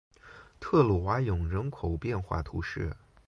特鲁瓦永人口变化图示